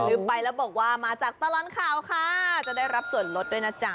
ไปแล้วบอกว่ามาจากตลอดข่าวค่ะจะได้รับส่วนลดด้วยนะจ๊ะ